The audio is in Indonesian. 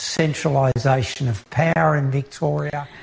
centralisasi kekuatannya di victoria